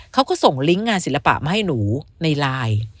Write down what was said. เขาก็ส่งลิงก์งานศิลปะมาให้หนูในไลน์